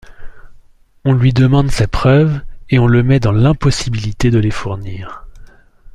On lui demande ses preuves, et on le met dans l’impossibilité de les fournir.